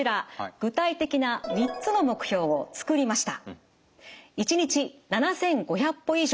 具体的な３つの目標を作りました。